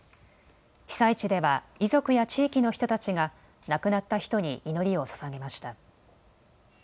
被災地では遺族や地域の人たちが亡くなった人に祈りをささげました。